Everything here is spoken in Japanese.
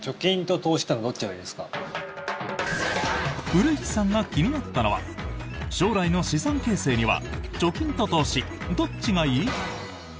古市さんが気になったのは将来の資産形成には貯金と投資、どっちがいい？